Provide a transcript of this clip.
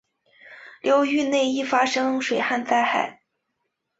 流域内易发生水旱灾害。